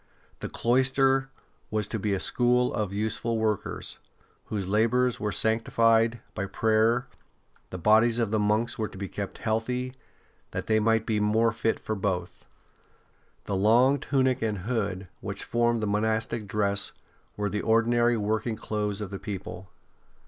The cloister was to be a school of useful workers, whose labours were sanctified by prayer; the bodies of the monks were to be kept healthy, that they might be more fit for both. The long tunic and hood which formed the monastic dress were the ordinary working clothes of the people.